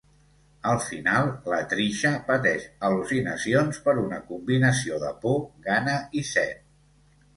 Al final, la Trisha pateix al·lucinacions per una combinació de por, gana i set.